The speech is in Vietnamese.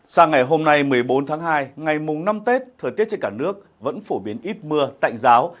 sáng ngày hôm nay một mươi bốn tháng hai ngày mùng năm tết thời tiết trên cả nước vẫn phổ biến ít mưa tạnh giáo